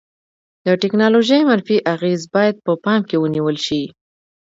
د ټیکنالوژي منفي اغیزې باید په پام کې ونیول شي.